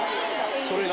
それが？